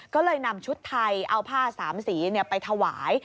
ก็เลยนำชุดไทยเอาผ้าสามสีไปถวาย